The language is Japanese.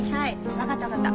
分かった分かった。